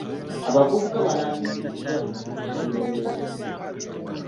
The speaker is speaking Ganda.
Abavubuka baalambikiddwa ku bukulembeze.